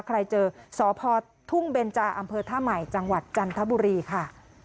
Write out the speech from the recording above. ใครเจอสพทุ่งเบนจาอำเภอท่าใหม่จังหวัดจันทบุรีค่ะ